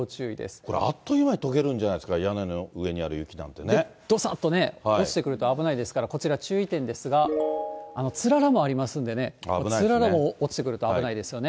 これ、あっという間にとけるんじゃないんですか、屋根の上にある雪なんどさっとね、落ちてくると危ないですから、こちら、注意点ですが、つららもありますんでね、つららも落ちてくると危ないですよね。